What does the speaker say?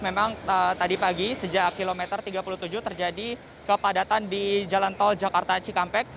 memang tadi pagi sejak kilometer tiga puluh tujuh terjadi kepadatan di jalan tol jakarta cikampek